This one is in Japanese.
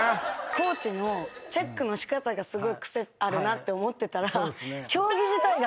コーチのチェックのしかたがすごいクセあるなって思ってたら。